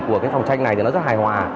của cái phòng tranh này thì nó rất hài hòa